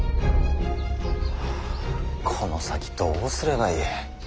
この先どうすればいい。